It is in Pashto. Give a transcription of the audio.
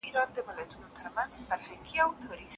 یو ځلی بیا کړي مځکه مسته د زلمیو پایکوب